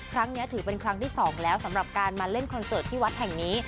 ครั้งนี้ถือเป็นครั้งที่สองแล้วสำหรับการมาเล่นคอนเสิร์ตที่วัดแห่งนี้